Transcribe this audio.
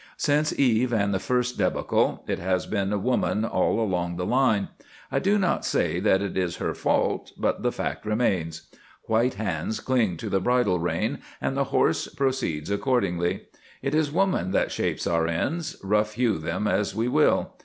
Since Eve and the first debacle, it has been woman all along the line. I do not say that it is her fault, but the fact remains. White hands cling to the bridle rein, and the horse proceeds accordingly. It is woman that shapes our ends, rough hew them as we will.